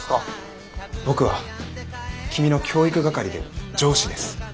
僕は君の教育係で上司です。